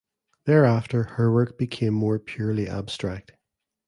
Thereafter her work became more purely abstract.